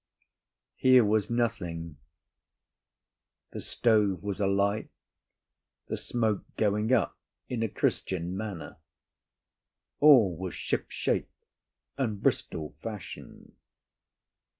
Here was nothing: the stove was alight, the smoke going up in a Christian manner; all was shipshape and Bristol fashion.